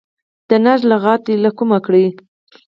د نږه لغت دي له کومه کړ.